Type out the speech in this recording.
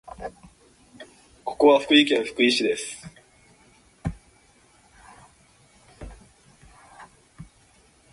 朝ごはん